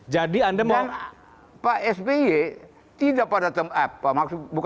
jadi anda mau